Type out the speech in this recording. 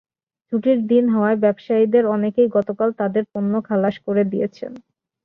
ছুটির দিন হওয়ায় ব্যবসায়ীদের অনেকেই গতকাল তাঁদের পণ্য খালাস করে নিয়েছেন।